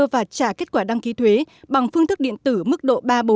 và trả kết quả đăng ký thuế bằng phương thức điện tử mức độ ba bốn